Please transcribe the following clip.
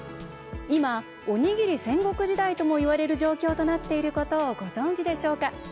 今、おにぎり戦国時代ともいわれる状況となっていることをご存じでしょうか？